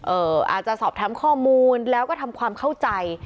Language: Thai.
อาจจะสอบถามข้อมูลแล้วก็ทำความเข้าใจ